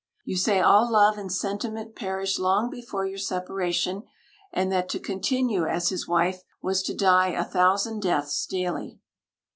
You say all love and sentiment perished long before your separation, and that to continue as his wife was to die a thousand deaths daily.